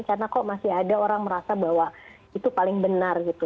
karena kok masih ada orang merasa bahwa itu paling benar gitu